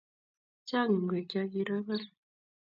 Chang' ngwek ya kirobon